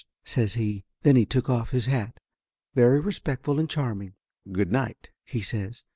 says he. Then he took off his hat, very respectful and charming. "Good night," he says.